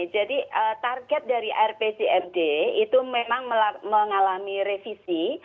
target dari rpcmd itu memang mengalami revisi